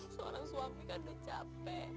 seorang suami kan udah capek